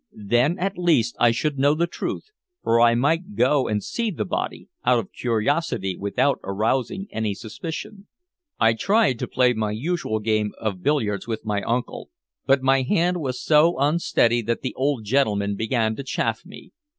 Then at least I should know the truth, for I might go and see the body out of curiosity without arousing any suspicion. I tried to play my usual game of billiards with my uncle, but my hand was so unsteady that the old gentleman began to chaff me.